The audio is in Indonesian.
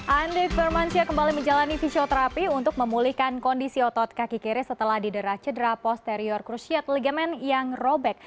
andik firmansyah kembali menjalani fisioterapi untuk memulihkan kondisi otot kaki kiri setelah diderah cedera posterior krusiat legement yang robek